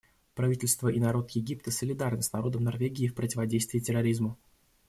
Правительство и народ Египта солидарны с народом Норвегии в противодействии терроризму.